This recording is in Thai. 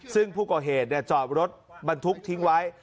ซึ่งผู้ก่อเหตุจอดรถบรรทุกทิ้งไว้